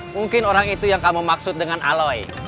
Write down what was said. mungkin orang itu yang kamu maksud dengan aloy